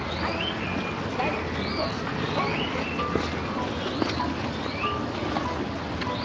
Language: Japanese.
開いて、閉じて、跳んで。